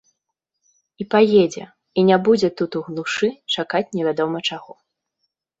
І паедзе, і не будзе тут у глушы чакаць невядома чаго.